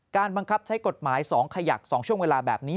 บังคับใช้กฎหมาย๒ขยัก๒ช่วงเวลาแบบนี้